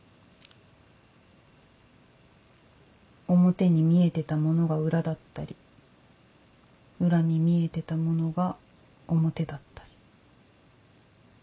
表に見えてたものが裏だったり裏に見えてたものが表だったり。